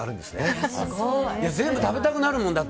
全部食べたくなるもん。